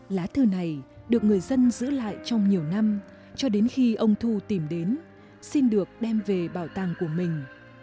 lá thư này được người dân giữ lại trong nhiều năm cho đến khi ông thu tìm đến xin được đem về bảo tàng của mình